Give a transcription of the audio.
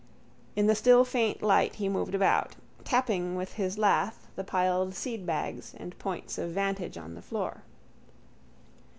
In the still faint light he moved about, tapping with his lath the piled seedbags and points of vantage on the floor.